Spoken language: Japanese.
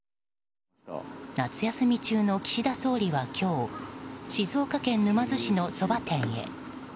夏休み中の岸田総理は今日静岡県沼津市のそば店へ。